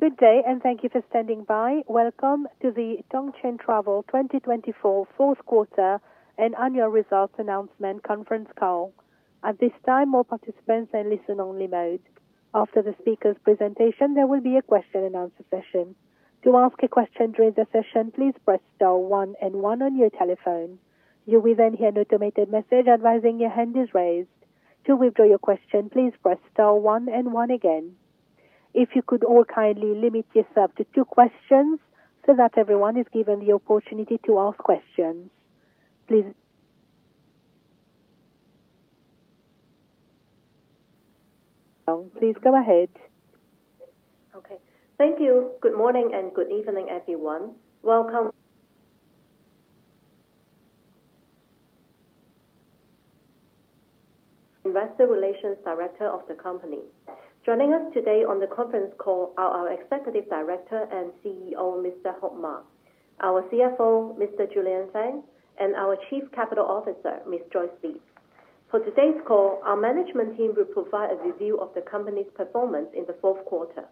Good day, and thank you for standing by. Welcome to the Tongcheng Travel 2024 Q4 annual results announcement conference call. At this time, all participants are in listen-only mode. After the speaker's presentation, there will be a question-and-answer session. To ask a question during the session, please press star one and one on your telephone. You will then hear an automated message advising your hand is raised. To withdraw your question, please press star one and one again. If you could all kindly limit yourself to two questions so that everyone is given the opportunity to ask questions. Please go ahead. Okay. Thank you. Good morning and good evening, everyone. Welcome. Investor Relations Director of the company. Joining us today on the conference call are our Executive Director and CEO, Mr. Hope Ma, our CFO, Mr. Julian Fan, and our Chief Capital Officer, Ms. Joyce Li. For today's call, our management team will provide a review of the company's performance in the Q4.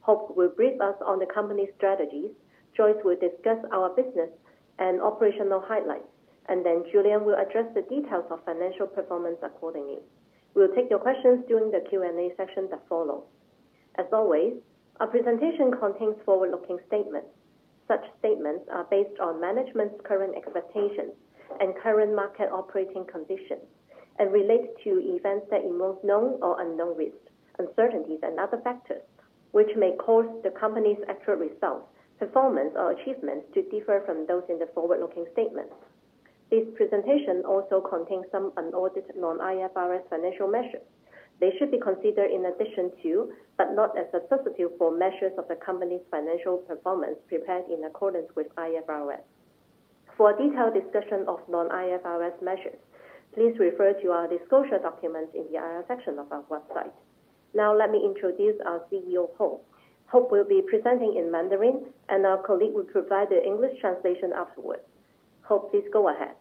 Hope will brief us on the company's strategies, Joyce will discuss our business and operational highlights, and then Julian will address the details of financial performance accordingly. We'll take your questions during the Q&A section that follows. As always, our presentation contains forward-looking statements. Such statements are based on management's current expectations and current market operating conditions and relate to events that involve known or unknown risks, uncertainties, and other factors which may cause the company's actual results, performance, or achievements to differ from those in the forward-looking statements. This presentation also contains some unaudited non-IFRS financial measures. They should be considered in addition to, but not as a substitute for, measures of the company's financial performance prepared in accordance with IFRS. For a detailed discussion of non-IFRS measures, please refer to our disclosure documents in the IR section of our website. Now, let me introduce our CEO, Hope Ma. Hope will be presenting in Mandarin, and our colleague will provide the English translation afterwards. Hope, please go ahead.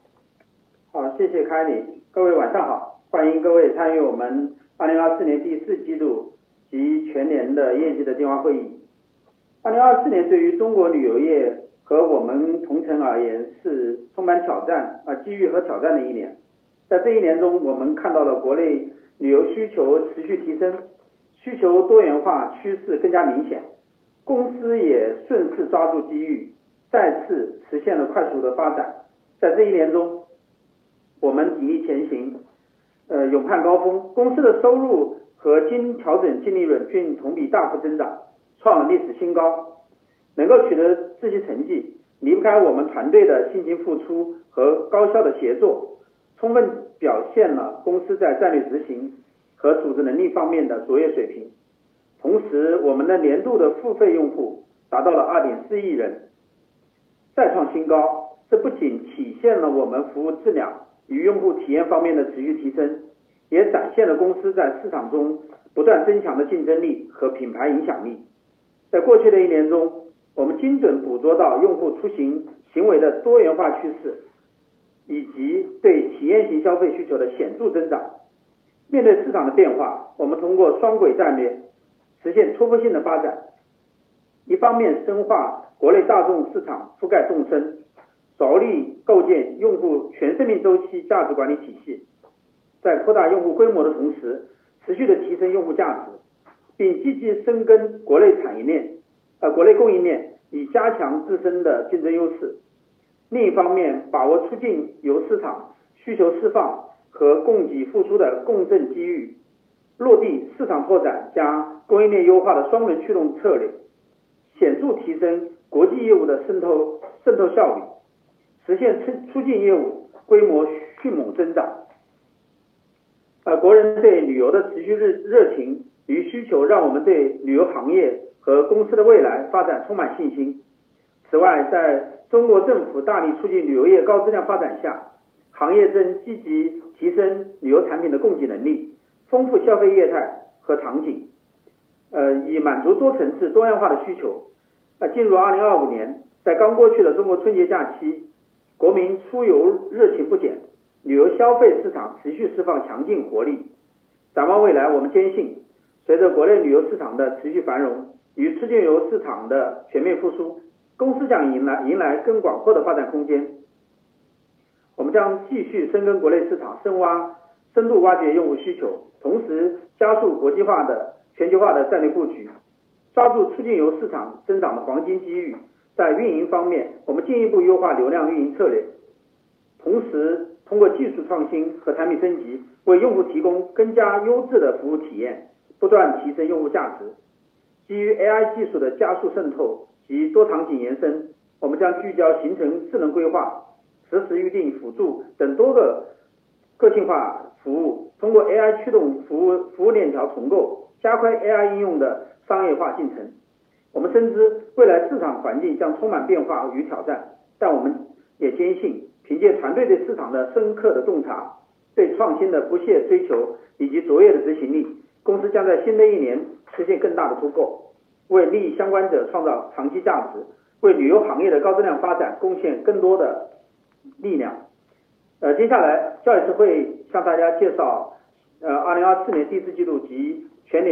Okay,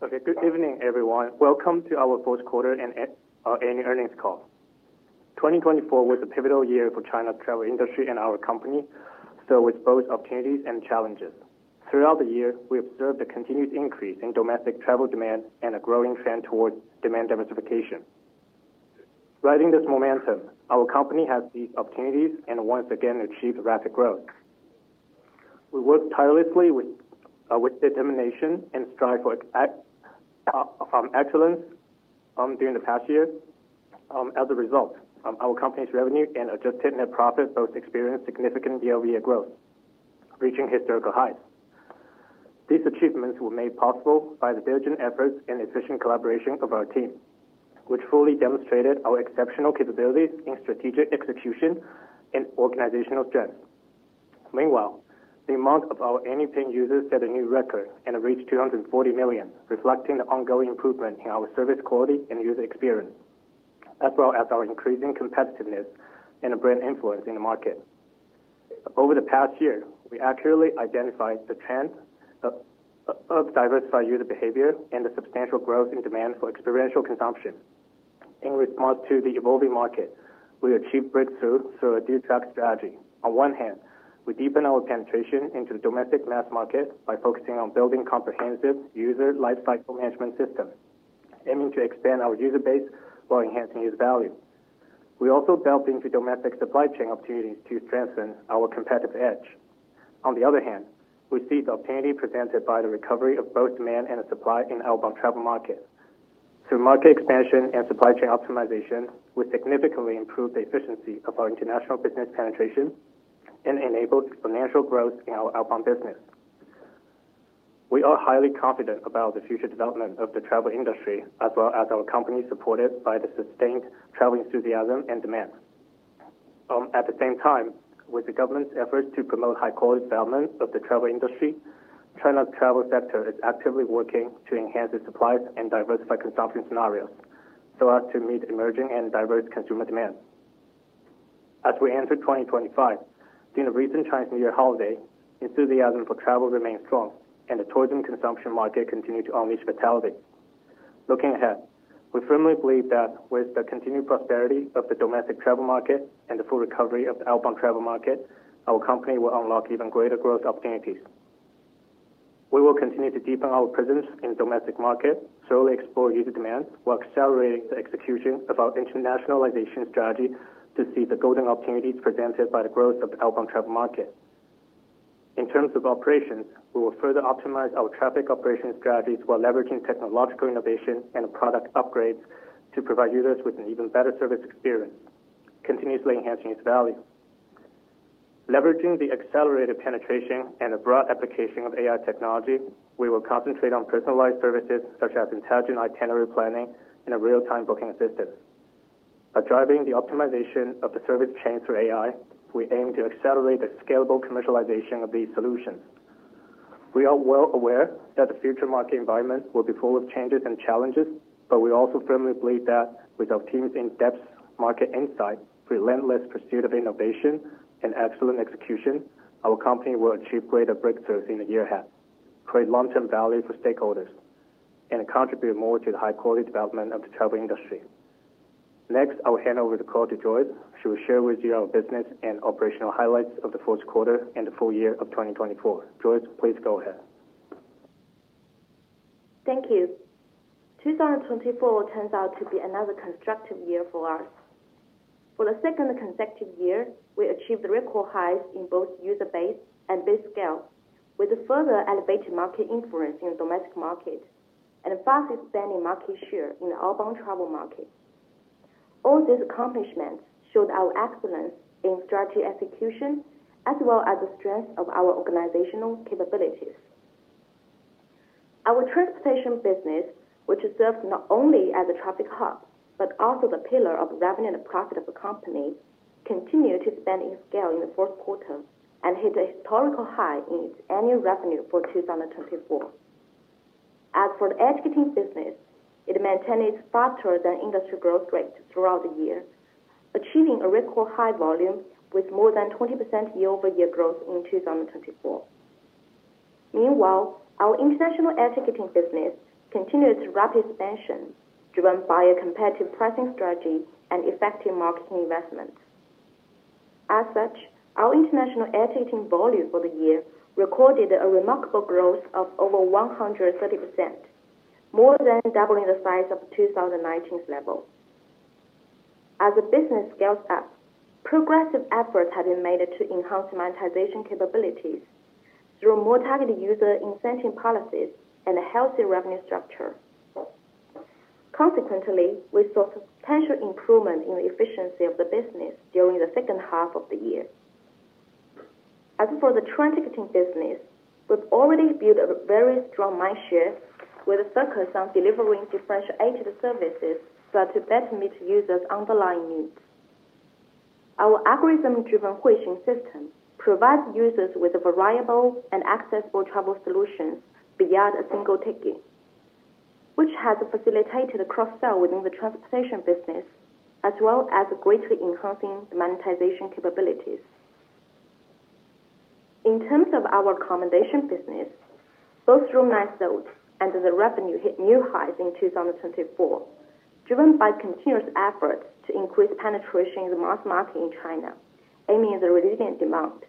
good evening everyone. Welcome to our Q4 and annual earnings call. 2024 was a pivotal year for China's travel industry and our company, filled with both opportunities and challenges. Throughout the year, we observed a continued increase in domestic travel demand and a growing trend towards demand diversification. Riding this momentum, our company has seized opportunities and once again achieved rapid growth. We worked tirelessly with determination and strive for excellence during the past year. As a result, our company's revenue and adjusted net profit both experienced significant year-over-year growth, reaching historical highs. These achievements were made possible by the diligent efforts and efficient collaboration of our team, which fully demonstrated our exceptional capabilities in strategic execution and organizational strength. Meanwhile, the amount of our annual paying users set a new record and have reached 240 million, reflecting the ongoing improvement in our service quality and user experience, as well as our increasing competitiveness and brand influence in the market. Over the past year, we accurately identified the trend of diversified user behavior and the substantial growth in demand for experiential consumption. In response to the evolving market, we achieved breakthroughs through a dual-track strategy. On one hand, we deepened our penetration into the domestic mass market by focusing on building comprehensive user lifecycle management systems, aiming to expand our user base while enhancing user value. We also delved into domestic supply chain opportunities to strengthen our competitive edge. On the other hand, we see the opportunity presented by the recovery of both demand and supply in the outbound travel market. Through market expansion and supply chain optimization, we significantly improved the efficiency of our international business penetration and enabled exponential growth in our outbound business. We are highly confident about the future development of the travel industry, as well as our company supported by the sustained travel enthusiasm and demand. At the same time, with the government's efforts to promote high-quality development of the travel industry, China's travel sector is actively working to enhance its supplies and diversify consumption scenarios so as to meet emerging and diverse consumer demand. As we enter 2025, during the recent Chinese New Year holiday, enthusiasm for travel remains strong, and the tourism consumption market continues to unleash vitality. Looking ahead, we firmly believe that with the continued prosperity of the domestic travel market and the full recovery of the outbound travel market, our company will unlock even greater growth opportunities. We will continue to deepen our presence in the domestic market, thoroughly explore user demand while accelerating the execution of our internationalization strategy to see the golden opportunities presented by the growth of the outbound travel market. In terms of operations, we will further optimize our traffic operation strategies while leveraging technological innovation and product upgrades to provide users with an even better service experience, continuously enhancing its value. Leveraging the accelerated penetration and the broad application of AI technology, we will concentrate on personalized services such as intelligent itinerary planning and real-time booking assistance. By driving the optimization of the service chain through AI, we aim to accelerate the scalable commercialization of these solutions. We are well aware that the future market environment will be full of changes and challenges, but we also firmly believe that with our team's in-depth market insight, relentless pursuit of innovation, and excellent execution, our company will achieve greater breakthroughs in the year ahead, create long-term value for stakeholders, and contribute more to the high-quality development of the travel industry. Next, I will hand over the call to Joyce. She will share with you our business and operational highlights of the Q4 and the full year of 2024. Joyce, please go ahead. Thank you. 2024 turns out to be another constructive year for us. For the second consecutive year, we achieved record highs in both user base and business scale, with a further elevated market influence in the domestic market and a fast-expanding market share in the outbound travel market. All these accomplishments showed our excellence in strategy execution, as well as the strength of our organizational capabilities. Our transportation business, which serves not only as a traffic hub but also the pillar of revenue and profit of the company, continued to expand in scale in the Q4 and hit a historical high in its annual revenue for 2024. As for the air ticketing business, it maintained its faster-than-industry growth rate throughout the year, achieving a record high volume with more than 20% year-over-year growth in 2024. Meanwhile, our international air ticketing business continued its rapid expansion, driven by a competitive pricing strategy and effective marketing investment. As such, our international air ticketing volume for the year recorded a remarkable growth of over 130%, more than doubling the size of 2019's level. As the business scales up, progressive efforts have been made to enhance monetization capabilities through more targeted user incentive policies and a healthy revenue structure. Consequently, we saw substantial improvement in the efficiency of the business during the second half of the year. As for the transportation business, we've already built a very strong mindshare with a focus on delivering differentiated services so as to better meet users' underlying needs. Our algorithm-driven Huixing system provides users with variable and accessible travel solutions beyond a single ticket, which has facilitated the cross-sell within the transportation business, as well as greatly enhancing the monetization capabilities. In terms of our accommodation business, both room night sales and the revenue hit new highs in 2024, driven by continuous efforts to increase penetration in the mass market in China, aiming at the resilient demand.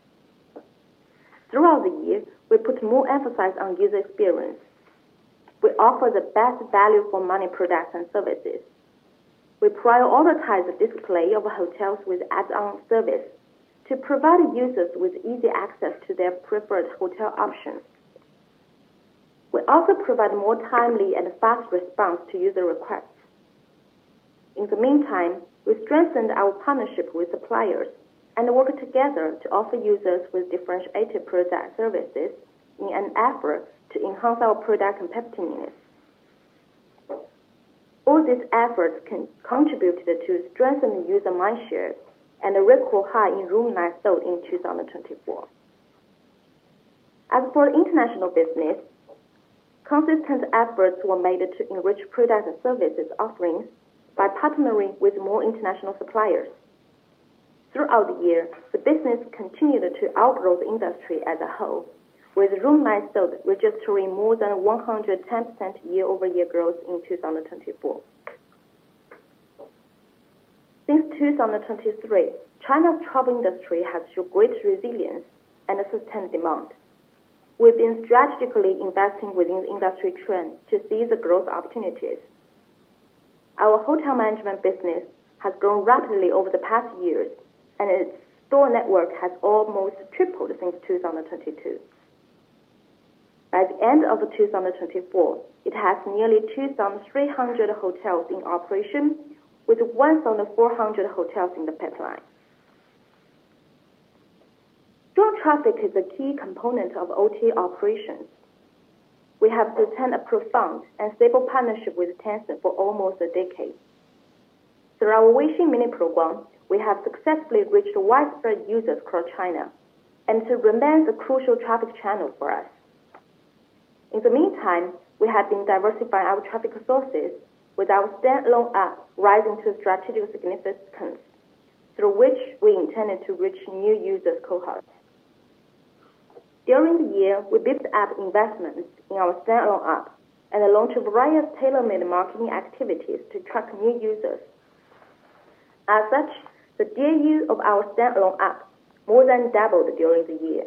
Throughout the year, we put more emphasis on user experience. We offer the best value for money products and services. We prioritize the display of hotels with add-on service to provide users with easy access to their preferred hotel options. We also provide more timely and fast response to user requests. In the meantime, we strengthened our partnership with suppliers and work together to offer users with differentiated product services in an effort to enhance our product competitiveness. All these efforts contributed to strengthen the user mindshare and a record high in room night sales in 2024. As for international business, consistent efforts were made to enrich product and services offerings by partnering with more international suppliers. Throughout the year, the business continued to outgrow the industry as a whole, with room night sales registering more than 110% year-over-year growth in 2024. Since 2023, China's travel industry has showed great resilience and sustained demand. We've been strategically investing within the industry trends to seize the growth opportunities. Our hotel management business has grown rapidly over the past years, and its store network has almost tripled since 2022. By the end of 2024, it has nearly 2,300 hotels in operation, with 1,400 hotels in the pipeline. WeChat traffic is a key component of OTA operations. We have sustained a profound and stable partnership with Tencent for almost a decade. Through our Huixing mini program, we have successfully reached widespread users across China and remains a crucial traffic channel for us. In the meantime, we have been diversifying our traffic sources with our standalone app rising to strategic significance, through which we intended to reach new users' cohorts. During the year, we built app investments in our standalone app and launched a variety of tailor-made marketing activities to track new users. As such, the DAU of our standalone app more than doubled during the year.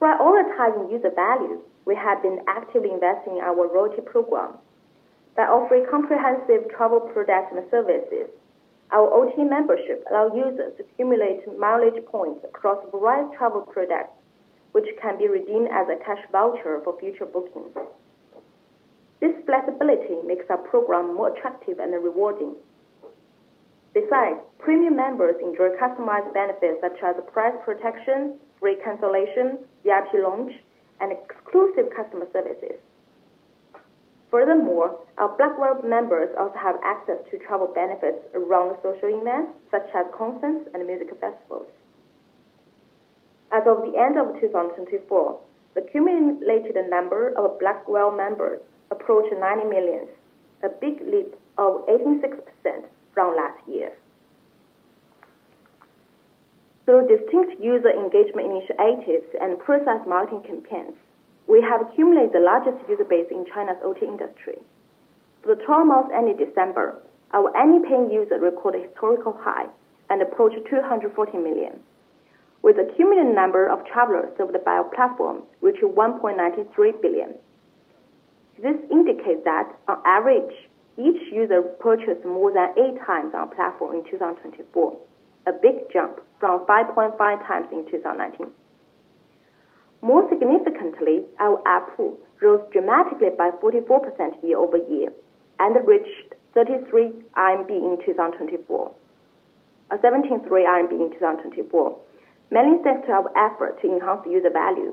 Prioritizing user value, we have been actively investing in our loyalty program. By offering comprehensive travel products and services, our OTA membership allows users to accumulate mileage points across a variety of travel products, which can be redeemed as a cash voucher for future bookings. This flexibility makes our program more attractive and rewarding. Besides, premium members enjoy customized benefits such as price protection, free cancellation, VIP lounge, and exclusive customer services. Furthermore, our Black Diamond Members also have access to travel benefits around social events such as concerts and music festivals. As of the end of 2024, the cumulated number of Black Diamond Members approached 90 million, a big leap of 86% from last year. Through distinct user engagement initiatives and process marketing campaigns, we have accumulated the largest user base in China's OTA industry. For the 12-month end of December, our annual paying user recorded a historical high and approached 240 million, with a cumulative number of travelers through the Buyer Platform reaching 1.93 billion. This indicates that, on average, each user purchased more than eight times on our platform in 2024, a big jump from 5.5 times in 2019. More significantly, our ARPU rose dramatically by 44% year-over-year and reached 33 RMB in 2024, a 17.3 RMB increase in 2024, mainly thanks to our effort to enhance user value.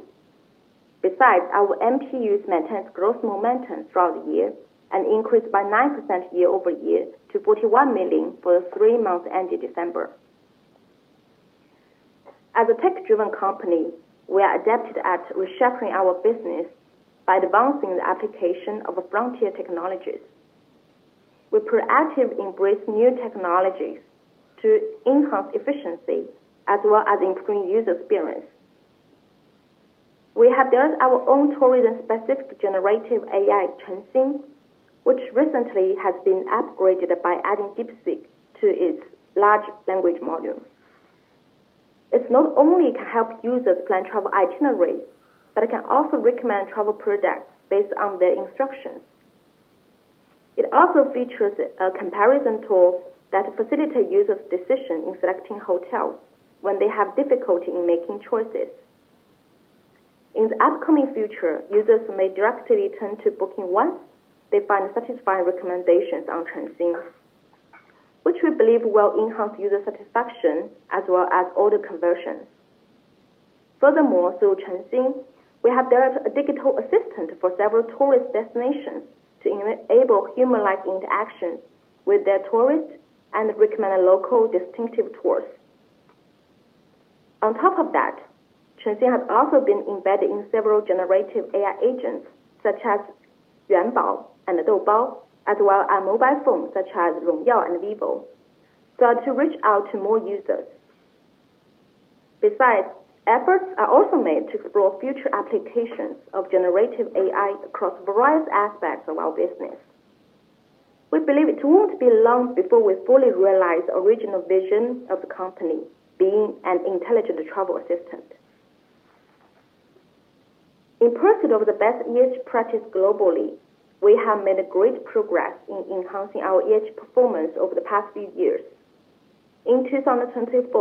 Besides, our MTUs maintained growth momentum throughout the year and increased by 9% year-over-year to 41 million for the three months ended December. As a tech-driven company, we are adept at reshuffling our business by advancing the application of frontier technologies. We proactively embrace new technologies to enhance efficiency, as well as improving user experience. We have built our own tourism-specific generative AI, Chengxiang, which recently has been upgraded by adding DeepSeek to its large language module. It not only can help users plan travel itineraries, but it can also recommend travel products based on their instructions. It also features a comparison tool that facilitates users' decisions in selecting hotels when they have difficulty in making choices. In the upcoming future, users may directly turn to Booking once they find satisfying recommendations on Chengxiang, which we believe will enhance user satisfaction as well as order conversions. Furthermore, through Chengxiang, we have developed a digital assistant for several tourist destinations to enable human-like interactions with their tourists and recommend local, distinctive tours. On top of that, Chengxiang has also been embedded in several generative AI agents such as Yuanbao and Doubao, as well as mobile phones such as Rongyao and Vivo, so as to reach out to more users. Besides, efforts are also made to explore future applications of generative AI across various aspects of our business. We believe it will not be long before we fully realize the original vision of the company being an intelligent travel assistant. In pursuit of the best practice globally, we have made great progress in enhancing our performance over the past few years. In 2024,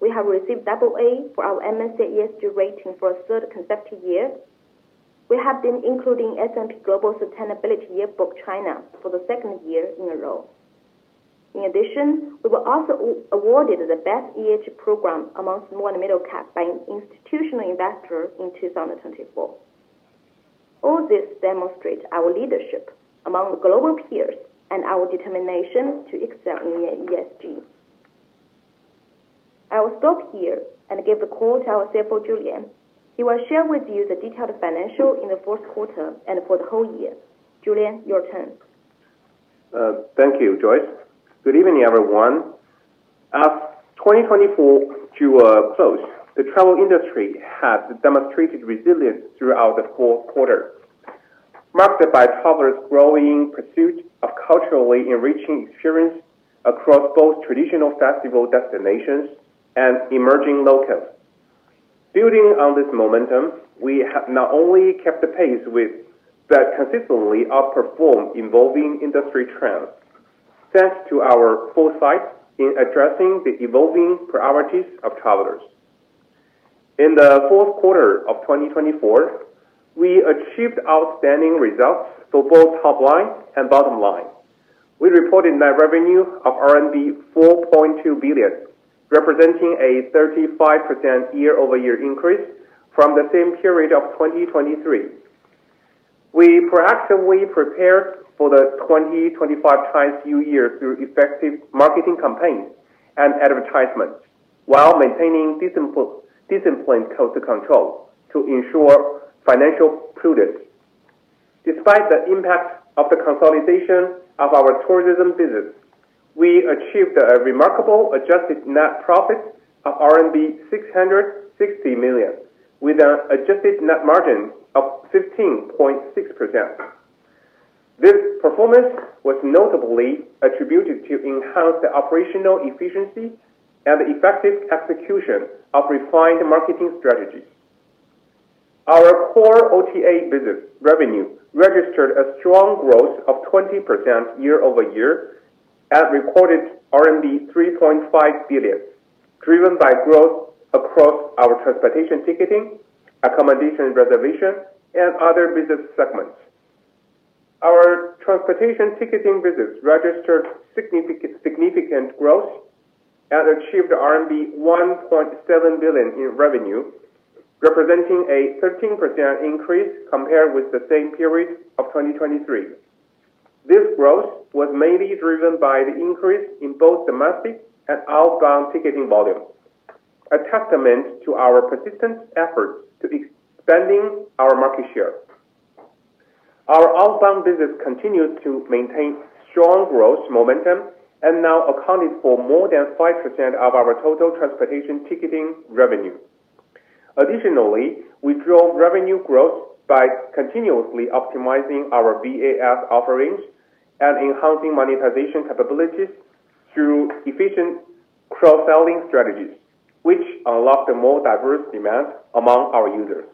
we have received double A for our MSCI ESG rating for a third consecutive year. We have been included in S&P Global Sustainability Yearbook China for the second year in a row. In addition, we were also awarded the Best Program amongst small and middle cap by an Institutional Investor in 2024. All this demonstrates our leadership among global peers and our determination to excel in ESG. I will stop here and give the call to our CFO, Julian. He will share with you the detailed financials in the Q4 and for the whole year. Julian, your turn. Thank you, Joyce. Good evening, everyone. As 2024 drew to a close, the travel industry has demonstrated resilience throughout the Q4, marked by travelers' growing pursuit of culturally enriching experiences across both traditional festival destinations and emerging local. Building on this momentum, we have not only kept pace with but consistently outperformed evolving industry trends thanks to our foresight in addressing the evolving priorities of travelers. In the Q4 of 2024, we achieved outstanding results for both top line and bottom line. We reported net revenue of RMB 4.2 billion, representing a 35% year-over-year increase from the same period of 2023. We proactively prepared for the 2025 time-skew year through effective marketing campaigns and advertisements while maintaining discipline to control to ensure financial prudence. Despite the impact of the consolidation of our tourism business, we achieved a remarkable adjusted net profit of RMB 660 million, with an adjusted net margin of 15.6%. This performance was notably attributed to enhanced operational efficiency and effective execution of refined marketing strategies. Our core OTA business revenue registered a strong growth of 20% year-over-year and recorded RMB 3.5 billion, driven by growth across our transportation ticketing, accommodation reservation, and other business segments. Our transportation ticketing business registered significant growth and achieved RMB 1.7 billion in revenue, representing a 13% increase compared with the same period of 2023. This growth was mainly driven by the increase in both domestic and outbound ticketing volume, a testament to our persistent efforts to expand our market share. Our outbound business continues to maintain strong growth momentum and now accounted for more than 5% of our total transportation ticketing revenue. Additionally, we drove revenue growth by continuously optimizing our VAS offerings and enhancing monetization capabilities through efficient cross-selling strategies, which unlocked a more diverse demand among our users.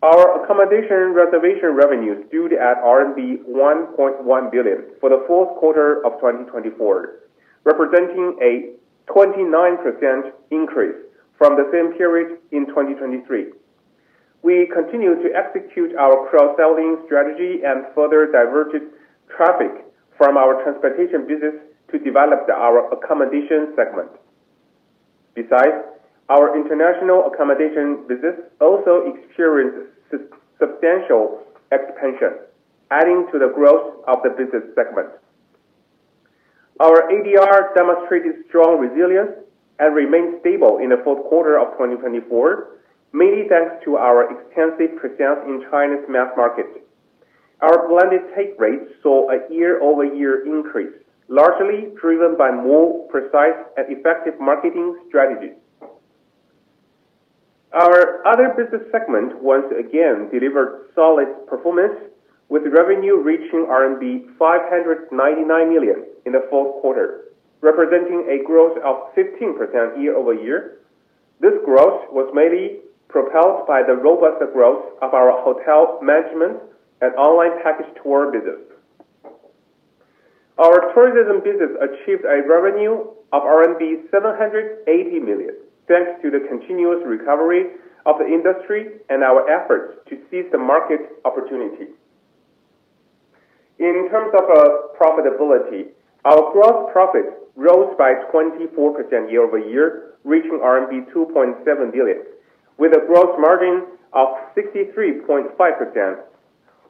Our accommodation reservation revenue stood at RMB 1.1 billion for the Q4 of 2024, representing a 29% increase from the same period in 2023. We continued to execute our cross-selling strategy and further diverted traffic from our transportation business to develop our accommodation segment. Besides, our international accommodation business also experienced substantial expansion, adding to the growth of the business segment. Our ADR demonstrated strong resilience and remained stable in the Q4 of 2024, mainly thanks to our extensive presence in China's mass market. Our blended take rates saw a year-over-year increase, largely driven by more precise and effective marketing strategies. Our other business segment once again delivered solid performance, with revenue reaching RMB 599 million in the Q4, representing a growth of 15% year-over-year. This growth was mainly propelled by the robust growth of our hotel management and online package tour business. Our tourism business achieved a revenue of RMB 780 million thanks to the continuous recovery of the industry and our efforts to seize the market opportunity. In terms of profitability, our gross profit rose by 24% year-over-year, reaching RMB 2.7 billion, with a gross margin of 63.5%.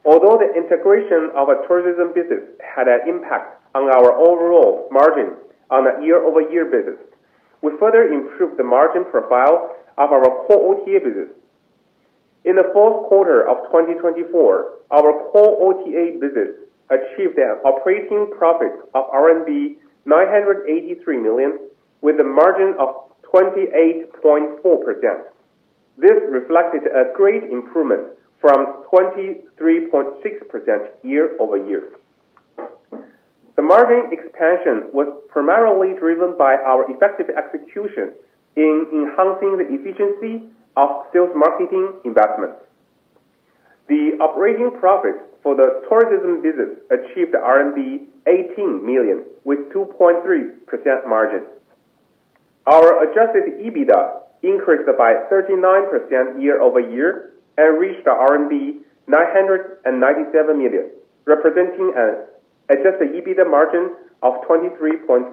Although the integration of our tourism business had an impact on our overall margin on the year-over-year basis, we further improved the margin profile of our core OTA business. In the Q4 of 2024, our core OTA business achieved an operating profit of RMB 983 million, with a margin of 28.4%. This reflected a great improvement from 23.6% year-over-year. The margin expansion was primarily driven by our effective execution in enhancing the efficiency of sales marketing investments. The operating profit for the tourism business achieved RMB 18 million, with 2.3% margin. Our adjusted EBITDA increased by 39% year-over-year and reached RMB 997 million, representing an adjusted EBITDA margin of 23.5%.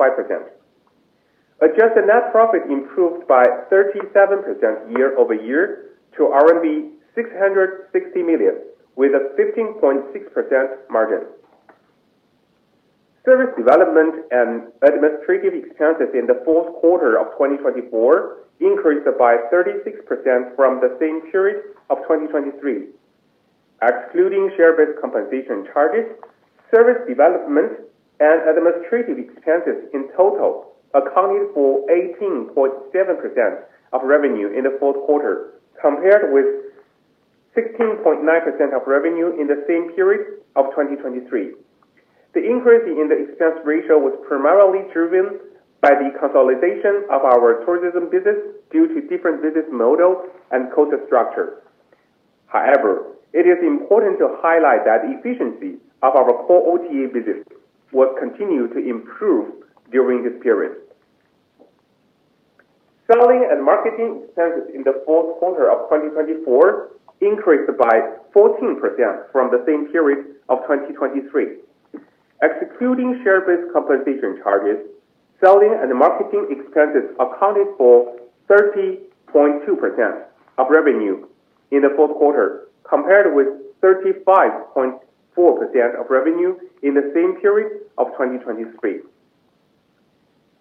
Adjusted net profit improved by 37% year-over-year to RMB 660 million, with a 15.6% margin. Service development and administrative expenses in the Q4 of 2024 increased by 36% from the same period of 2023. Excluding share-based compensation charges, service development and administrative expenses in total accounted for 18.7% of revenue in the Q4, compared with 16.9% of revenue in the same period of 2023. The increase in the expense ratio was primarily driven by the consolidation of our tourism business due to different business models and culture structures. However, it is important to highlight that the efficiency of our core OTA business was continued to improve during this period. Selling and marketing expenses in the Q4 of 2024 increased by 14% from the same period of 2023. Excluding share-based compensation charges, selling and marketing expenses accounted for 30.2% of revenue in the Q4, compared with 35.4% of revenue in the same period of 2023.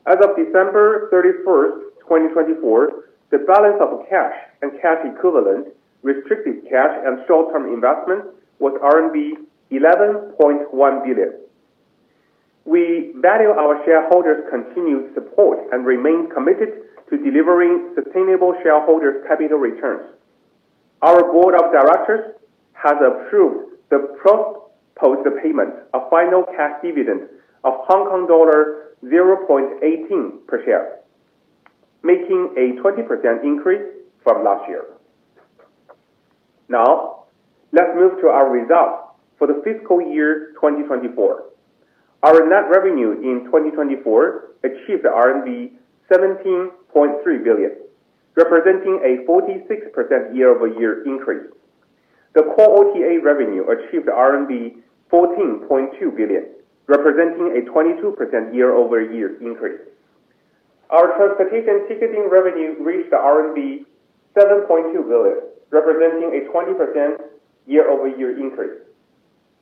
As of December 31, 2024, the balance of cash and cash equivalent, restricted cash and short-term investments, was RMB 11.1 billion. We value our shareholders' continued support and remain committed to delivering sustainable shareholders' capital returns. Our Board of Directors has approved the proposed payment of final cash dividend of Hong Kong dollar 0.18 per share, making a 20% increase from last year. Now, let's move to our results for the fiscal year 2024. Our net revenue in 2024 achieved RMB 17.3 billion, representing a 46% year-over-year increase. The core OTA revenue achieved RMB 14.2 billion, representing a 22% year-over-year increase. Our transportation ticketing revenue reached RMB 7.2 billion, representing a 20% year-over-year increase.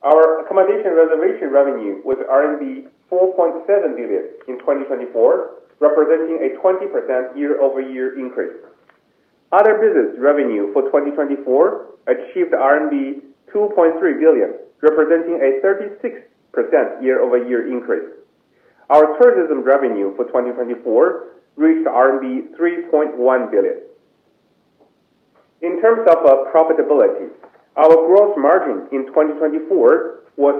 Our accommodation reservation revenue was RMB 4.7 billion in 2024, representing a 20% year-over-year increase. Other business revenue for 2024 achieved RMB 2.3 billion, representing a 36% year-over-year increase. Our tourism revenue for 2024 reached RMB 3.1 billion. In terms of profitability, our gross margin in 2024 was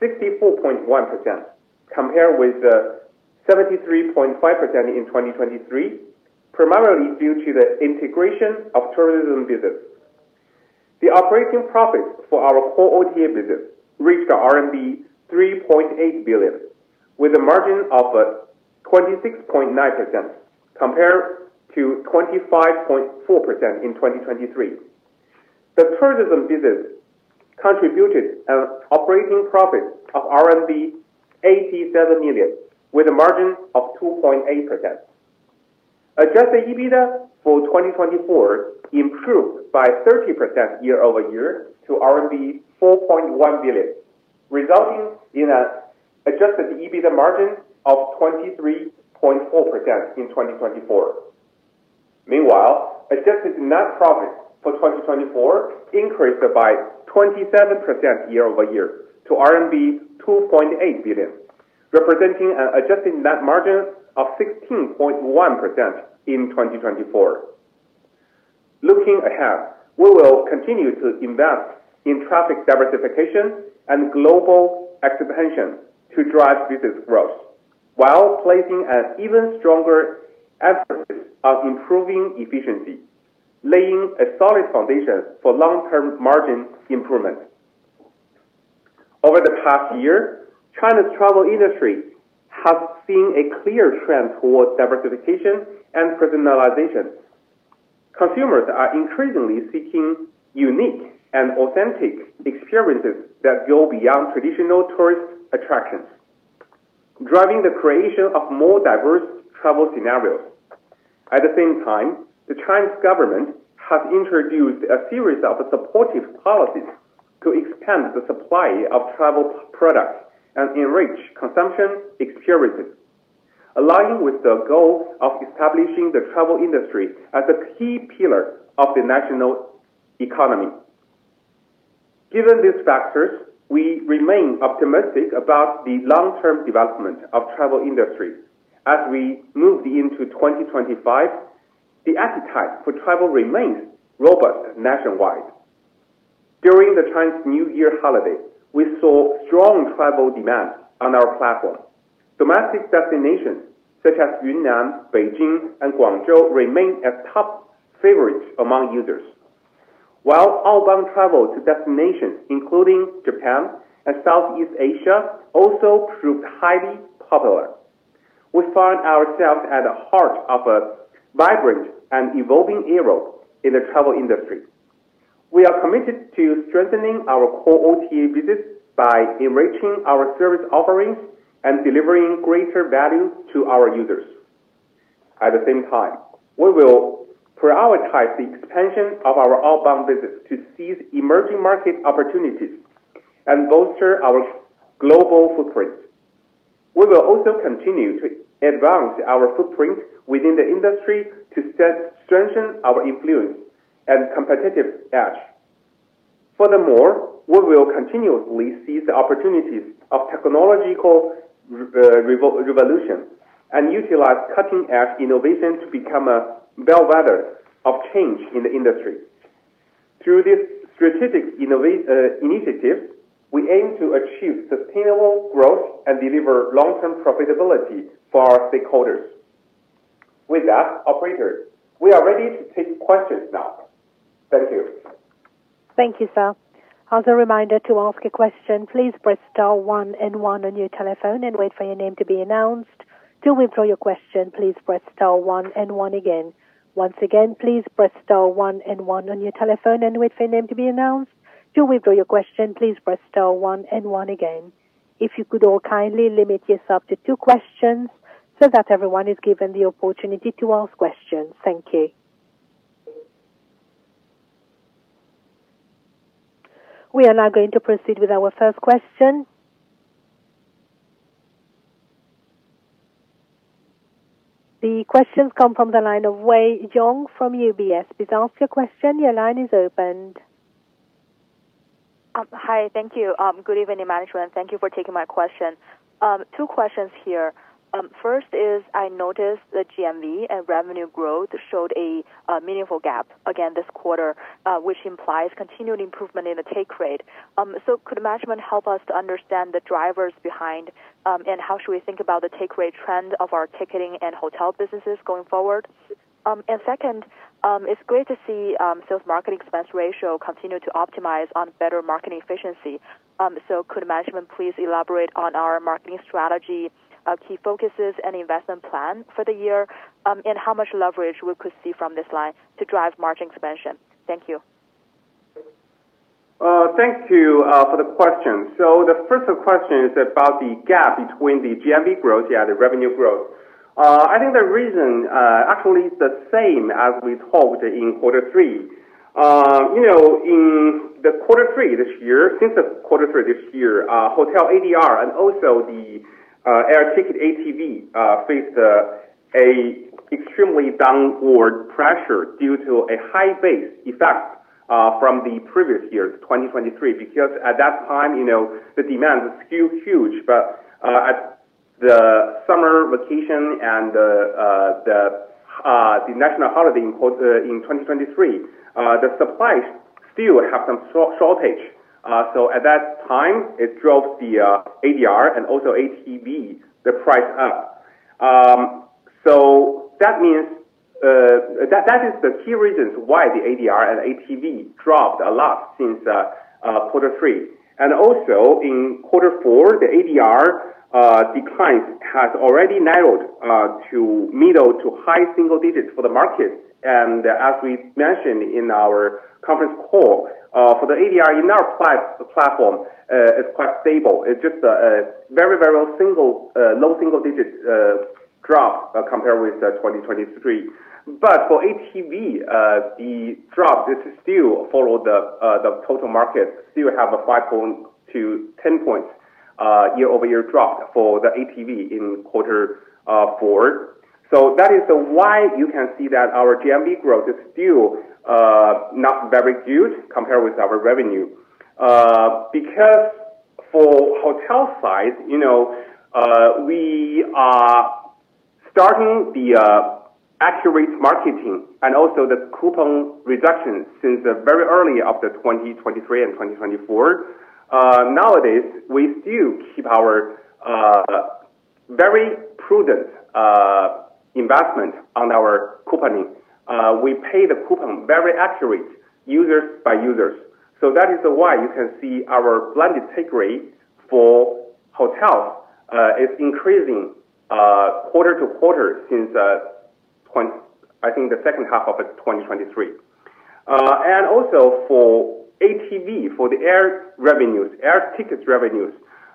64.1%, compared with 73.5% in 2023, primarily due to the integration of tourism business. The operating profit for our core OTA business reached RMB 3.8 billion, with a margin of 26.9%, compared to 25.4% in 2023. The tourism business contributed an operating profit of RMB 87 million, with a margin of 2.8%. Adjusted EBITDA for 2024 improved by 30% year-over-year to RMB 4.1 billion, resulting in an adjusted EBITDA margin of 23.4% in 2024. Meanwhile, adjusted net profit for 2024 increased by 27% year-over-year to RMB 2.8 billion, representing an adjusted net margin of 16.1% in 2024. Looking ahead, we will continue to invest in traffic diversification and global expansion to drive business growth, while placing an even stronger emphasis on improving efficiency, laying a solid foundation for long-term margin improvement. Over the past year, China's travel industry has seen a clear trend towards diversification and personalization. Consumers are increasingly seeking unique and authentic experiences that go beyond traditional tourist attractions, driving the creation of more diverse travel scenarios. At the same time, the Chinese government has introduced a series of supportive policies to expand the supply of travel products and enrich consumption experiences, aligning with the goal of establishing the travel industry as a key pillar of the national economy. Given these factors, we remain optimistic about the long-term development of the travel industry. As we move into 2025, the appetite for travel remains robust nationwide. During the Chinese New Year holiday, we saw strong travel demand on our platform. Domestic destinations such as Yunnan, Beijing, and Guangzhou remain as top favorites among users, while outbound travel to destinations including Japan and Southeast Asia also proved highly popular. We find ourselves at the heart of a vibrant and evolving era in the travel industry. We are committed to strengthening our core OTA business by enriching our service offerings and delivering greater value to our users. At the same time, we will prioritize the expansion of our outbound business to seize emerging market opportunities and bolster our global footprint. We will also continue to advance our footprint within the industry to strengthen our influence and competitive edge. Furthermore, we will continuously seize the opportunities of technological revolution and utilize cutting-edge innovation to become a bellwether of change in the industry. Through these strategic initiatives, we aim to achieve sustainable growth and deliver long-term profitability for our stakeholders. With that, operators, we are ready to take questions now. Thank you. Thank you, sir. As a reminder to ask a question, please press star one and one on your telephone and wait for your name to be announced. To withdraw your question, please press star one and one again. Once again, please press star one and one on your telephone and wait for your name to be announced. To withdraw your question, please press star one and one again. If you could all kindly limit yourself to two questions so that everyone is given the opportunity to ask questions. Thank you. We are now going to proceed with our first question. The questions come from the line of Wei Xiong from UBS. Please ask your question. Your line is opened. Hi, thank you. Good evening, management. Thank you for taking my question. Two questions here. First is, I noticed that GMV and revenue growth showed a meaningful gap again this quarter, which implies continued improvement in the take rate. Could management help us to understand the drivers behind, and how should we think about the take rate trend of our ticketing and hotel businesses going forward? Second, it's great to see sales marketing expense ratio continue to optimize on better marketing efficiency. Could management please elaborate on our marketing strategy, key focuses, and investment plan for the year, and how much leverage we could see from this line to drive margin expansion? Thank you. Thank you for the question. The first question is about the gap between the GMV growth and the revenue growth. I think the reason actually is the same as we talked in quarter three. In quarter three this year, since quarter three this year, hotel ADR and also the air ticket ATV faced an extremely downward pressure due to a high base effect from the previous year, 2023, because at that time, the demand was still huge. At the summer vacation and the national holiday in 2023, the supply still had some shortage. At that time, it drove the ADR and also ATV, the price up. That means that is the key reasons why the ADR and ATV dropped a lot since quarter three. Also, in quarter four, the ADR declines have already narrowed to middle to high single digits for the market. As we mentioned in our conference call, for the ADR in our platform, it is quite stable. It is just a very, very low single digit drop compared with 2023. For ATV, the drop still followed the total market and still has a 5.2-10 percentage points year-over-year drop for the ATV in quarter four. That is why you can see that our GMV growth is still not very good compared with our revenue. For hotel side, we are starting the accurate marketing and also the coupon reduction since very early of the 2023 and 2024. Nowadays, we still keep our very prudent investment on our couponing. We pay the coupon very accurate users by users. That is why you can see our blended take rate for hotels is increasing quarter to quarter since, I think, the second half of 2023. Also for ATV, for the air revenues, air ticket revenues,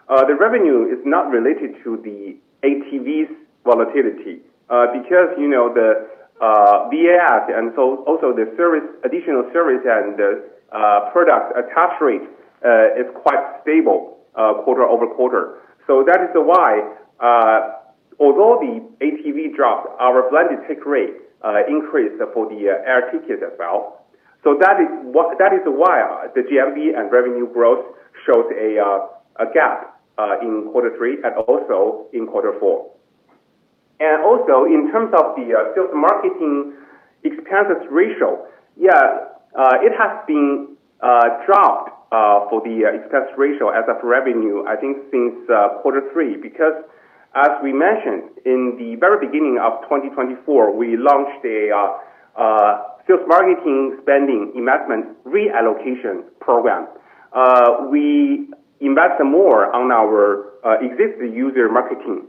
the revenue is not related to the ATV's volatility because the VAS and also the additional service and the product attach rate is quite stable quarter-over-quarter. That is why, although the ATV dropped, our blended take rate increased for the air tickets as well. That is why the GMV and revenue growth showed a gap in quarter three and also in quarter four. Also, in terms of the sales marketing expenses ratio, yes, it has been dropped for the expense ratio as of revenue, I think, since quarter three because, as we mentioned in the very beginning of 2024, we launched a sales marketing spending investment reallocation program. We invested more on our existing user marketing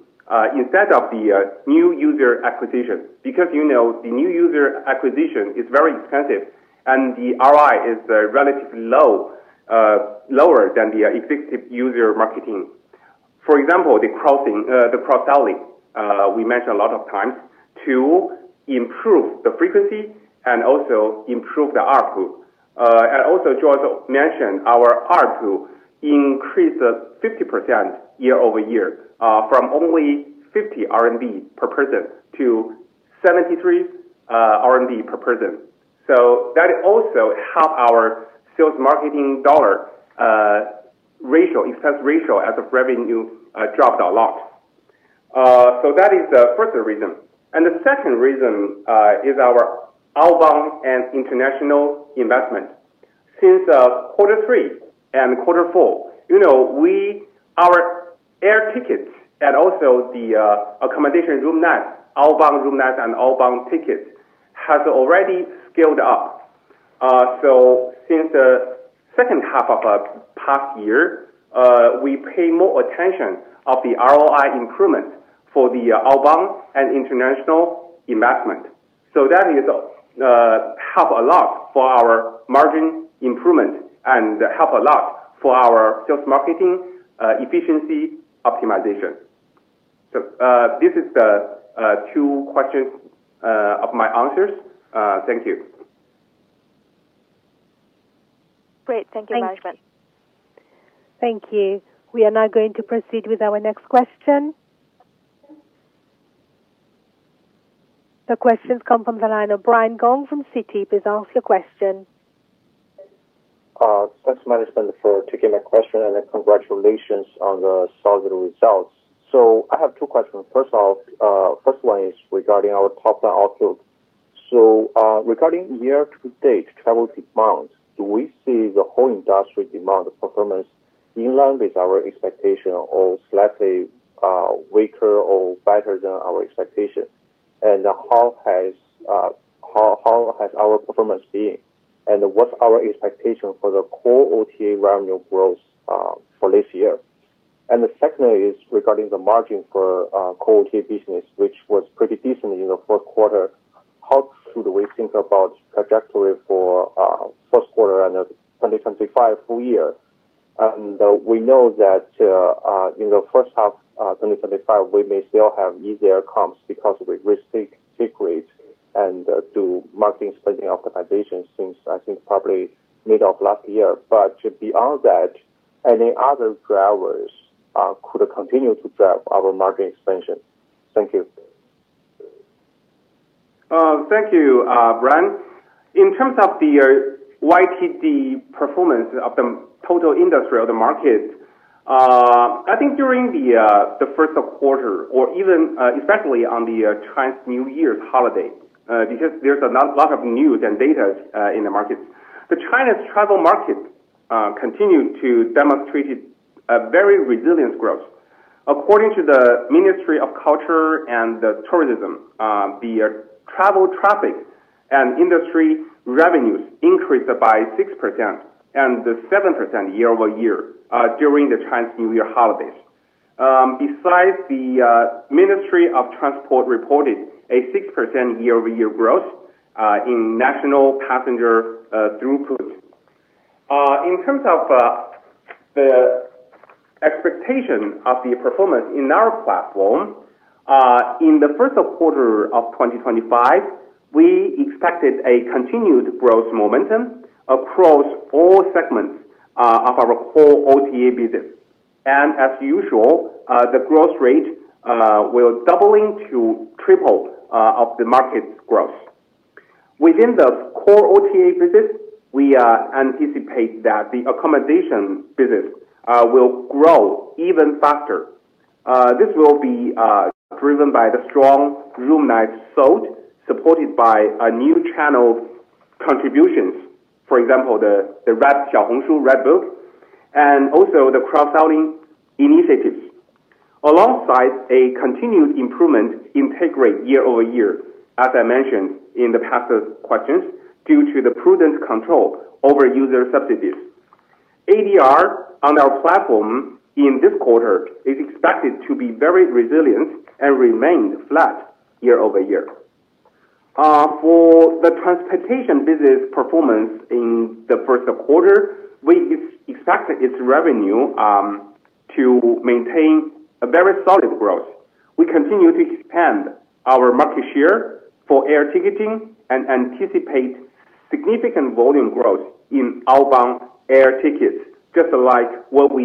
instead of the new user acquisition because the new user acquisition is very expensive and the ROI is relatively lower than the existing user marketing. For example, the cross-selling, we mentioned a lot of times to improve the frequency and also improve the RPU. Also, Joyce mentioned our RPU increased 50% year-over-year from only 50 RMB per person to 73 RMB per person. That also helped our sales marketing dollar ratio, expense ratio as of revenue dropped a lot. That is the first reason. The second reason is our outbound and international investment. Since quarter three and quarter four, our air tickets and also the accommodation room nights, outbound room nights and outbound tickets have already scaled up. Since the second half of past year, we pay more attention to the ROI improvement for the outbound and international investment. That has helped a lot for our margin improvement and helped a lot for our sales marketing efficiency optimization. These are the two questions of my answers. Thank you. Great. Thank you, management. Thank you. We are now going to proceed with our next question. The questions come from the line of Brian Gong from Citi. Please ask your question. Thanks, management, for taking my question and congratulations on the solid results. I have two questions. First of all, first one is regarding our top line output. Regarding year to date, travel demand, do we see the whole industry demand performance in line with our expectation or slightly weaker or better than our expectation? How has our performance been? What's our expectation for the core OTA revenue growth for this year? The second is regarding the margin for core OTA business, which was pretty decent in the Q4. How should we think about trajectory for Q1 and 2025 full year? We know that in the first half of 2025, we may still have easier comps because of the risk take rate and due to marketing spending optimization since, I think, probably mid of last year. Beyond that, any other drivers could continue to drive our marketing expansion? Thank you. Thank you, Brian. In terms of the YTD performance of the total industry or the market, I think during the Q1, or even especially on the Chinese New Year's holiday, because there's a lot of news and data in the market, the Chinese travel market continued to demonstrate a very resilient growth. According to the Ministry of Culture and Tourism, the travel traffic and industry revenues increased by 6% and 7% year-over-year during the Chinese New Year holidays. Besides, the Ministry of Transport reported a 6% year-over-year growth in national passenger throughput. In terms of the expectation of the performance in our platform, in the Q1 of 2025, we expected a continued growth momentum across all segments of our core OTA business. As usual, the growth rate will double into triple of the market's growth. Within the core OTA business, we anticipate that the accommodation business will grow even faster. This will be driven by the strong room nights sold, supported by new channel contributions, for example, the Xiaohongshu, and also the cross-selling initiatives, alongside a continued improvement in take rate year-over-year, as I mentioned in the past questions, due to the prudent control over user subsidies. ADR on our platform in this quarter is expected to be very resilient and remained flat year-over-year. For the transportation business performance in the Q1, we expect its revenue to maintain a very solid growth. We continue to expand our market share for air ticketing and anticipate significant volume growth in outbound air tickets, just like the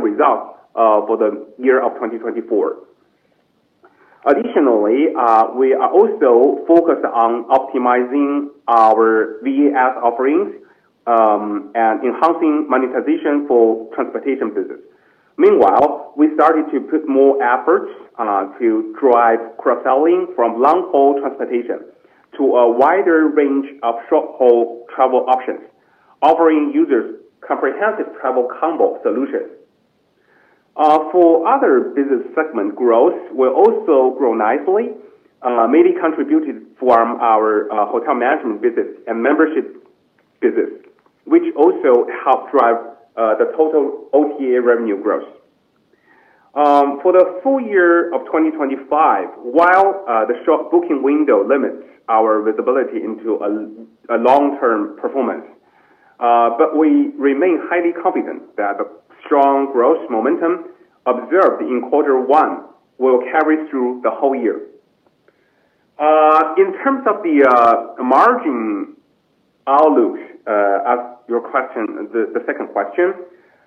result for the year of 2024. Additionally, we are also focused on optimizing our VAS offerings and enhancing monetization for transportation business. Meanwhile, we started to put more efforts to drive cross-selling from long-haul transportation to a wider range of short-haul travel options, offering users comprehensive travel combo solutions. For other business segment growth, we also grow nicely, mainly contributed from our hotel management business and membership business, which also helped drive the total OTA revenue growth. For the full year of 2025, while the short booking window limits our visibility into a long-term performance, we remain highly confident that the strong growth momentum observed in quarter one will carry through the whole year. In terms of the margin outlook, as your question, the second question,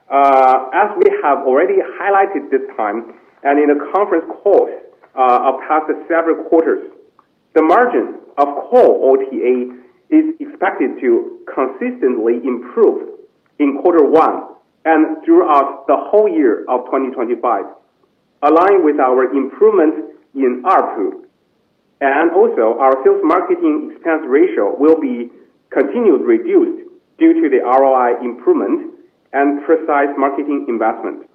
as we have already highlighted this time and in a conference call of past several quarters, the margin of core OTA is expected to consistently improve in quarter one and throughout the whole year of 2025, aligned with our improvement in RPU. Our sales marketing expense ratio will be continued reduced due to the ROI improvement and precise marketing investment.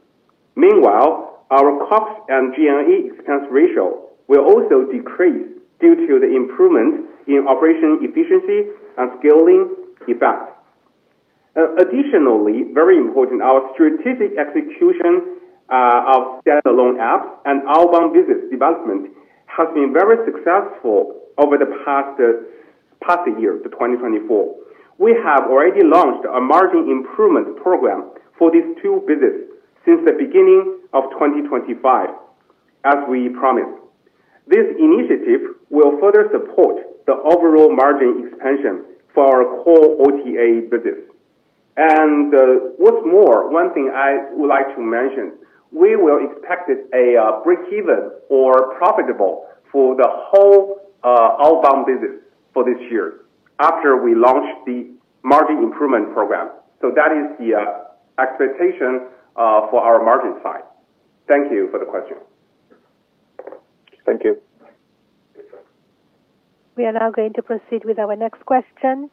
Meanwhile, our COS and G&A expense ratio will also decrease due to the improvement in operation efficiency and scaling effect. Additionally, very important, our strategic execution of standalone apps and outbound business development has been very successful over the past year, 2024. We have already launched a margin improvement program for these two businesses since the beginning of 2025, as we promised. This initiative will further support the overall margin expansion for our core OTA business. One thing I would like to mention, we will expect a break-even or profitable for the whole outbound business for this year after we launch the margin improvement program. That is the expectation for our margin side. Thank you for the question. Thank you. We are now going to proceed with our next question.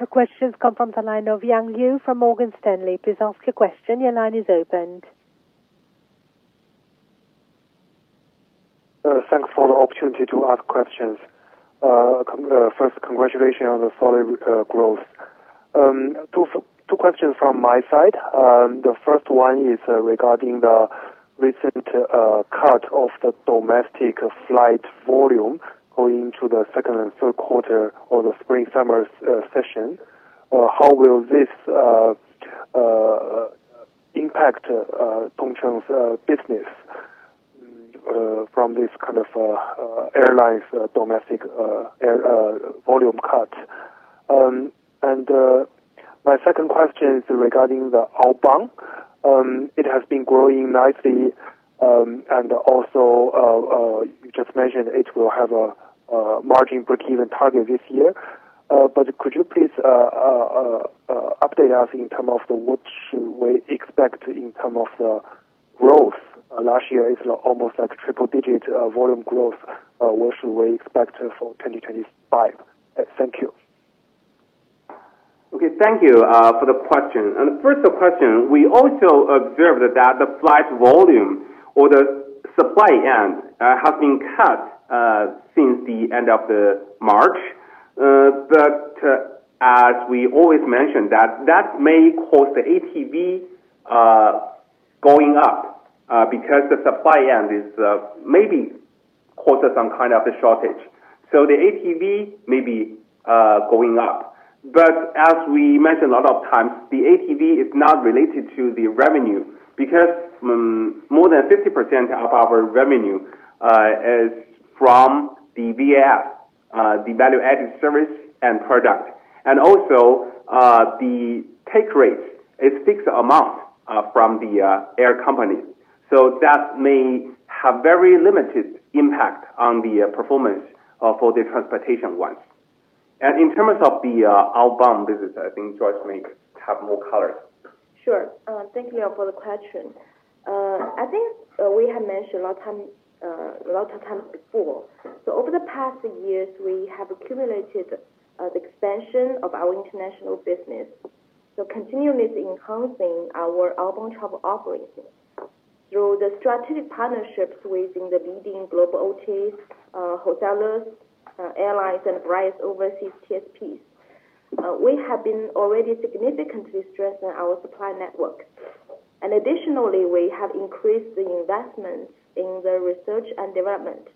The questions come from the line of Yang Liu from Morgan Stanley. Please ask your question. Your line is opened. Thanks for the opportunity to ask questions. First, congratulations on the solid growth. Two questions from my side. The first one is regarding the recent cut of the domestic flight volume going into the second and Q3 of the spring-summer session. How will this impact Tongcheng Travel's business from this kind of airlines' domestic volume cut? My second question is regarding the outbound. It has been growing nicely. You just mentioned it will have a margin break-even target this year. Could you please update us in terms of what should we expect in terms of the growth? Last year is almost like triple-digit volume growth. What should we expect for 2025? Thank you. Okay. Thank you for the question. The first question, we also observed that the flight volume or the supply end has been cut since the end of March. As we always mentioned, that may cause the ATV going up because the supply end maybe causes some kind of shortage. The ATV may be going up. As we mentioned a lot of times, the ATV is not related to the revenue because more than 50% of our revenue is from the VAS, the Value Added Service and Product. Also, the take rate is a fixed amount from the air company. That may have a very limited impact on the performance for the transportation ones. In terms of the outbound business, I think Joyce may have more colors. Sure. Thank you, Leo, for the question. I think we have mentioned a lot of times before. Over the past years, we have accumulated the expansion of our international business. We are continuously enhancing our outbound travel offerings through strategic partnerships with the leading global OTAs, hoteliers, airlines, and various overseas TSPs. We have already significantly strengthened our supply network. Additionally, we have increased the investment in research and development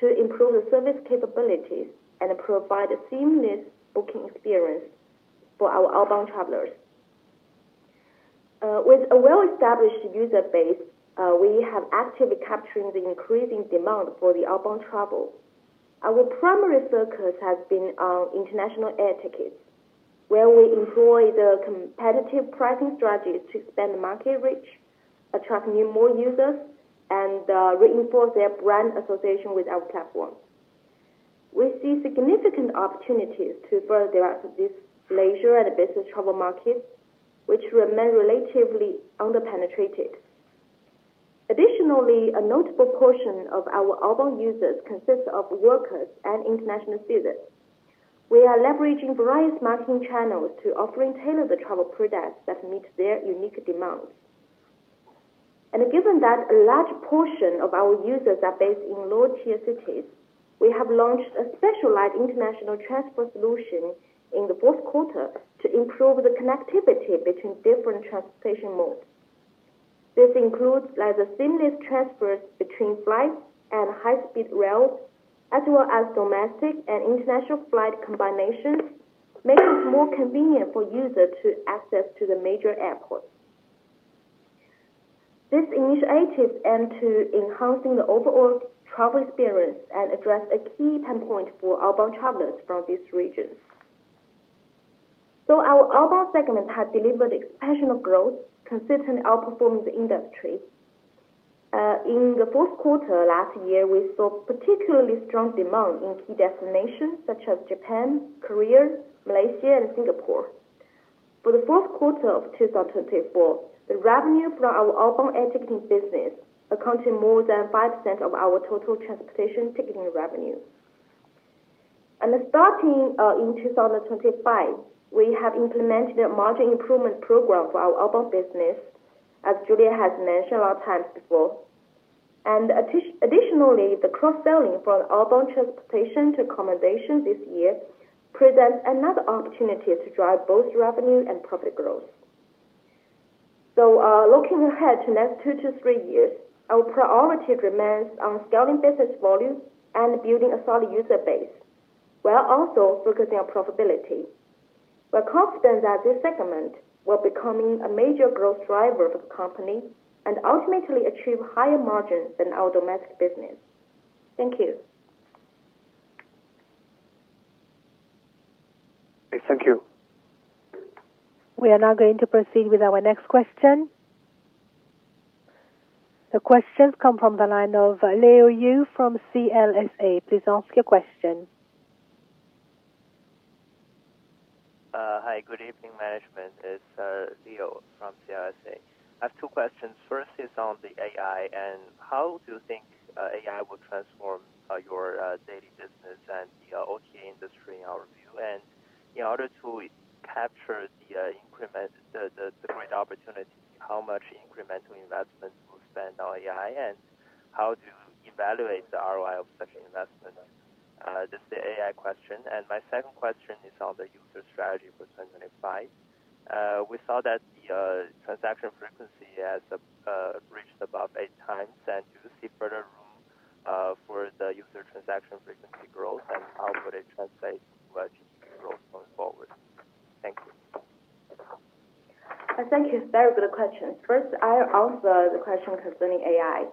to improve the service capabilities and provide a seamless booking experience for our outbound travelers. With a well-established user base, we have actively captured the increasing demand for outbound travel. Our primary focus has been on international air tickets, where we employ a competitive pricing strategy to expand the market reach, attract more users, and reinforce their brand association with our platform. We see significant opportunities to further develop this leisure and business travel market, which remain relatively underpenetrated. Additionally, a notable portion of our outbound users consists of workers and international students. We are leveraging various marketing channels to offer tailored travel products that meet their unique demands. Given that a large portion of our users are based in lower-tier cities, we have launched a specialized international transfer solution in the Q4 to improve the connectivity between different transportation modes. This includes seamless transfers between flights and high-speed rail, as well as domestic and international flight combinations, making it more convenient for users to access the major airports. This initiative aims to enhance the overall travel experience and address a key pain point for outbound travelers from these regions. Our outbound segment has delivered exceptional growth, consistently outperforming the industry. In the Q4 last year, we saw particularly strong demand in key destinations such as Japan, Korea, Malaysia, and Singapore. For the Q4 of 2024, the revenue from our outbound air ticketing business accounted for more than 5% of our total transportation ticketing revenue. Starting in 2025, we have implemented a margin improvement program for our outbound business, as Julia has mentioned a lot of times before. Additionally, the cross-selling from outbound transportation to accommodation this year presents another opportunity to drive both revenue and profit growth. Looking ahead to the next two to three years, our priority remains on scaling business volume and building a solid user base, while also focusing on profitability. We're confident that this segment will become a major growth driver for the company and ultimately achieve higher margins than our domestic business. Thank you. Thank you. We are now going to proceed with our next question. The questions come from the line of Leo Yu from CLSA. Please ask your question. Hi. Good evening, management. It's Leo from CLSA. I have two questions. First is on the AI. How do you think AI will transform your daily business and the OTA industry in our view? In order to capture the great opportunity, how much incremental investment will you spend on AI? How do you evaluate the ROI of such investment? This is the AI question. My second question is on the user strategy for 2025. We saw that the transaction frequency has reached above eight times. Do you see further room for the user transaction frequency growth? How would it translate to GDP growth going forward? Thank you. Thank you. Very good questions. First, I'll answer the question concerning AI.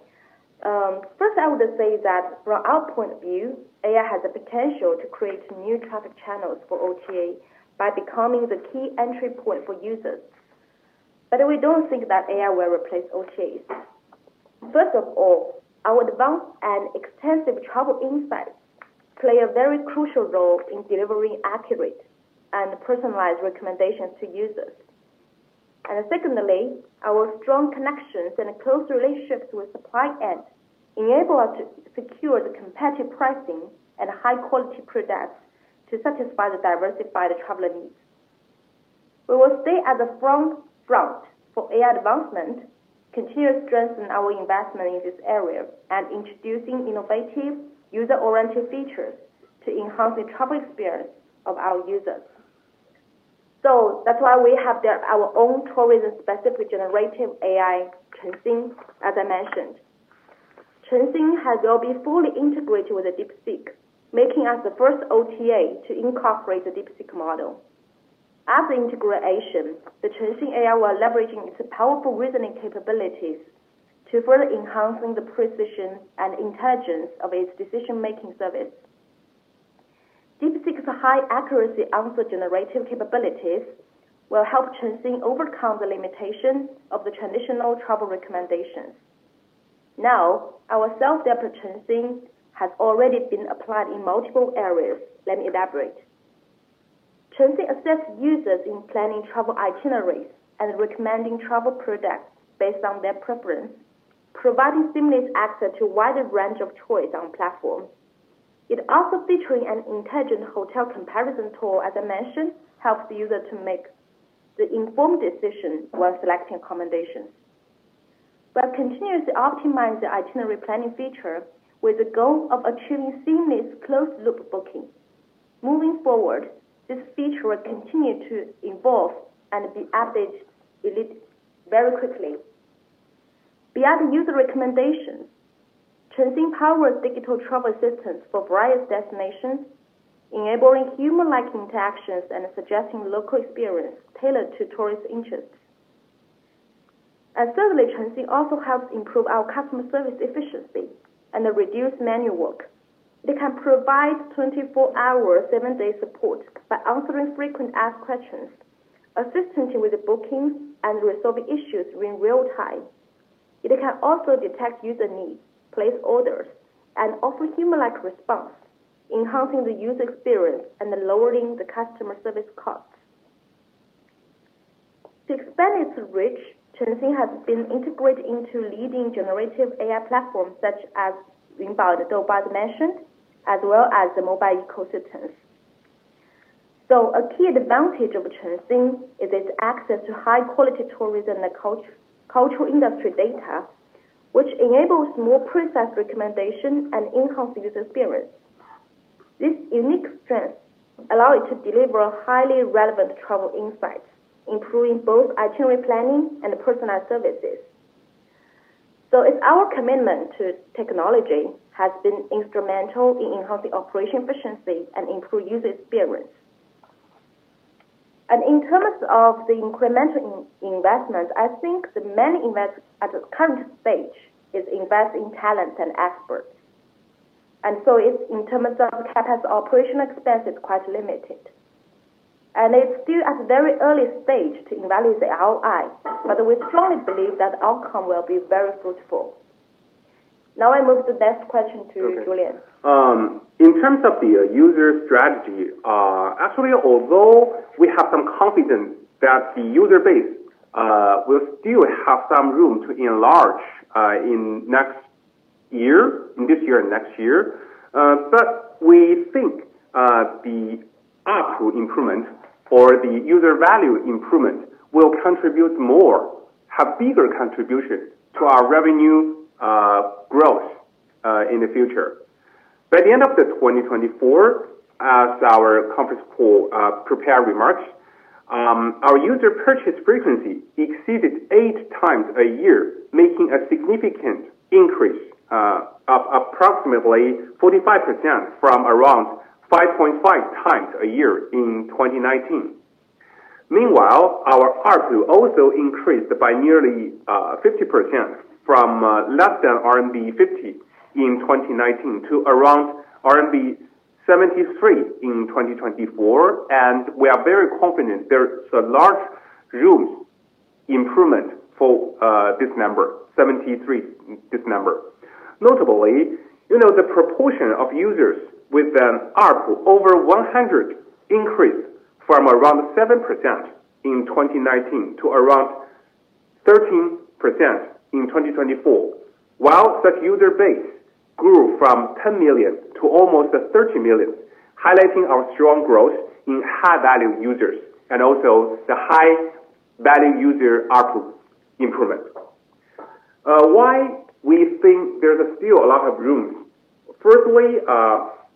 First, I would say that from our point of view, AI has the potential to create new traffic channels for OTA by becoming the key entry point for users. We do not think that AI will replace OTAs. First of all, our advanced and extensive travel insights play a very crucial role in delivering accurate and personalized recommendations to users. Secondly, our strong connections and close relationships with supply end enable us to secure the competitive pricing and high-quality products to satisfy the diversified traveler needs. We will stay at the front for AI advancement, continue to strengthen our investment in this area, and introduce innovative user-oriented features to enhance the travel experience of our users. That is why we have our own tourism-specific generative AI, Chengxiang, as I mentioned. Chengxiang has already fully integrated with DeepSeek, making us the first OTA to incorporate the DeepSeek model. As an integration, the Chengxiang AI will leverage its powerful reasoning capabilities to further enhance the precision and intelligence of its decision-making service. DeepSeek's high-accuracy answer generative capabilities will help Chengxiang overcome the limitations of the traditional travel recommendations. Now, our self-depth Chengxiang has already been applied in multiple areas. Let me elaborate. Chengxiang assists users in planning travel itineraries and recommending travel products based on their preference, providing seamless access to a wider range of choices on the platform. It also features an intelligent hotel comparison tool, as I mentioned, helps the user to make the informed decision while selecting accommodations. We have continuously optimized the itinerary planning feature with the goal of achieving seamless closed-loop booking. Moving forward, this feature will continue to evolve and be updated very quickly. Beyond the user recommendations, Chengxiang powers digital travel assistance for various destinations, enabling human-like interactions and suggesting local experiences tailored to tourists' interests. Thirdly, Chengxiang also helps improve our customer service efficiency and reduce manual work. It can provide 24-hour, 7-day support by answering frequently asked questions, assisting with bookings and resolving issues in real time. It can also detect user needs, place orders, and offer human-like response, enhancing the user experience and lowering the customer service costs. To expand its reach, Chengxiang has been integrated into leading generative AI platforms such as Yuanbao, the Doubao I mentioned, as well as the mobile ecosystems. A key advantage of Chengxiang is its access to high-quality tourism and cultural industry data, which enables more precise recommendations and enhanced user experience. This unique strength allows it to deliver highly relevant travel insights, improving both itinerary planning and personalized services. Our commitment to technology has been instrumental in enhancing operation efficiency and improving user experience. In terms of the incremental investment, I think the main investment at the current stage is investing in talent and experts. In terms of capacity, operational expense is quite limited. It is still at a very early stage to evaluate the ROI, but we strongly believe that outcome will be very fruitful. Now I move the next question to Julia. In terms of the user strategy, actually, although we have some confidence that the user base will still have some room to enlarge in this year and next year, we think the output improvement or the user value improvement will contribute more, have a bigger contribution to our revenue growth in the future. By the end of 2024, as our conference call prepared remarks, our user purchase frequency exceeded eight times a year, making a significant increase of approximately 45% from around 5.5 times a year in 2019. Meanwhile, our RPU also increased by nearly 50% from less than RMB 50 in 2019 to around RMB 73 in 2024. We are very confident there is a large room improvement for this number, 73, this number. Notably, the proportion of users with an RPU over 100 increased from around 7% in 2019 to around 13% in 2024, while such user base grew from 10 million to almost 30 million, highlighting our strong growth in high-value users and also the high-value user RPU improvement. Why do we think there is still a lot of room? Firstly,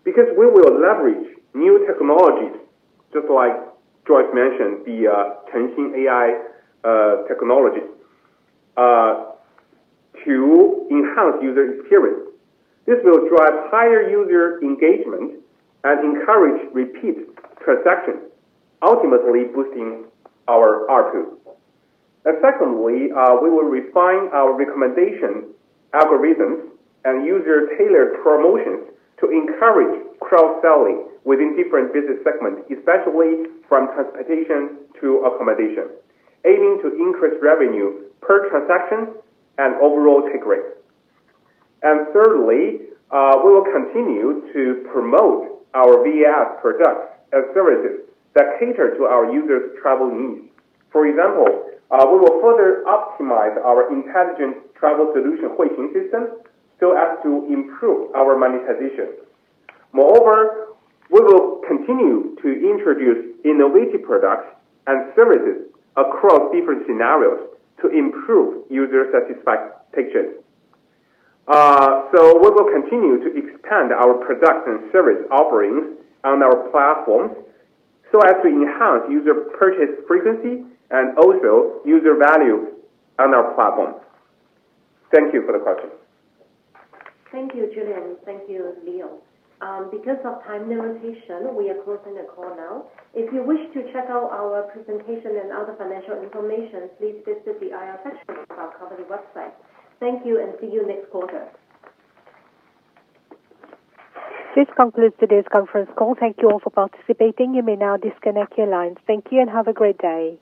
because we will leverage new technologies, just like Joyce mentioned, the Chengxiang AI technologies to enhance user experience. This will drive higher user engagement and encourage repeat transactions, ultimately boosting our RPU. Secondly, we will refine our recommendation algorithms and user-tailored promotions to encourage cross-selling within different business segments, especially from transportation to accommodation, aiming to increase revenue per transaction and overall take rate. Thirdly, we will continue to promote our VAS products and services that cater to our users' travel needs. For example, we will further optimize our intelligent travel solution Huixing system so as to improve our monetization. Moreover, we will continue to introduce innovative products and services across different scenarios to improve user satisfaction. We will continue to expand our products and service offerings on our platforms so as to enhance user purchase frequency and also user value on our platform. Thank you for the question. Thank you, Julia. Thank you, Leo. Because of time limitation, we are closing the call now. If you wish to check out our presentation and other financial information, please visit the IR section of our company website. Thank you, and see you next quarter. This concludes today's conference call. Thank you all for participating. You may now disconnect your lines. Thank you, and have a great day.